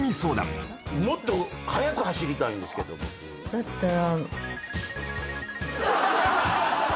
だったら。